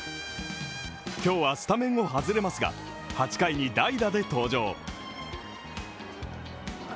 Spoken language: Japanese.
今日はスタメンを外れますが、８回に代打で登場。